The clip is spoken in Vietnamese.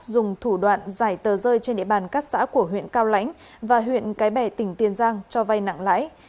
dùng thủ đoạn giải tờ rơi trên địa bàn các xã của huyện cao lãnh và huyện cái bè tỉnh tiền giang cho vay nặng lãi